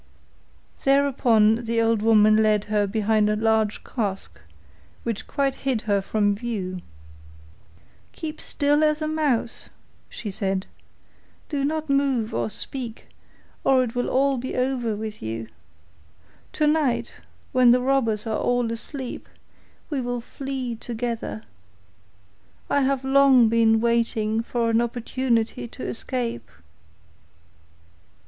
Thereupon the old woman led her behind a large cask, which quite hid her from view. 'Keep as still as a mouse,' she said; 'do not move or speak, or it will be all over with you. Tonight, when the robbers are all asleep, we will flee together. I have long been waiting for an opportunity to escape.